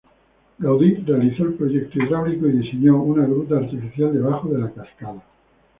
Gaudí realizó el proyecto hidráulico y diseñó una gruta artificial debajo de la Cascada.